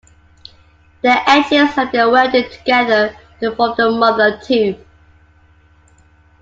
The edges are then welded together to form the mother tube.